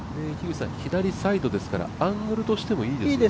左サイドですからアングルとしてもいいですね。